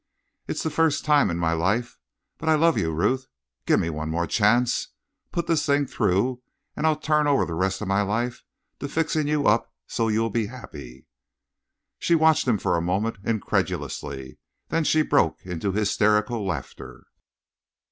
It's the first time in my life but I love you, Ruth. Give me one more chance. Put this thing through and I'll turn over the rest of my life to fixing you up so's you'll be happy." She watched him for a moment incredulously; then she broke into hysterical laughter.